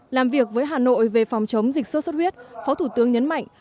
làm việc với hà nội về phòng chống dịch sốt xuất huyết phó thủ tướng nhấn mạnh